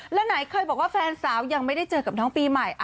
แล้วไหนเคยบอกว่าแฟนสาวยังไม่ได้เจอกับน้องปีใหม่